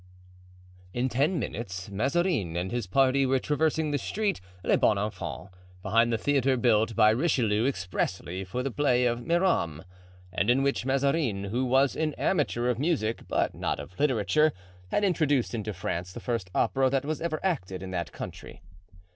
In ten minutes Mazarin and his party were traversing the street "Les Bons Enfants" behind the theatre built by Richelieu expressly for the play of "Mirame," and in which Mazarin, who was an amateur of music, but not of literature, had introduced into France the first opera that was ever acted in that country.